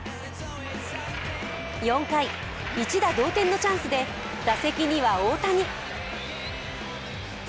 ４回、一打同点のチャンスで打席には大谷。